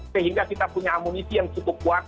sehingga kita punya amunisi yang cukup kuat